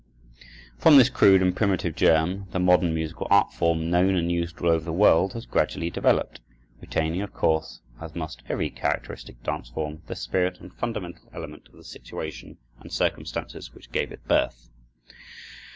From this crude and primitive germ the modern musical art form, known and used all over the world, has gradually developed, retaining, of course, as must every characteristic dance form, the spirit and fundamental element of the situation and circumstances which gave it birth.